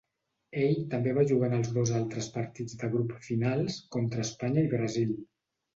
Ell també va jugar en els dos altres partits de grup finals contra Espanya i Brasil.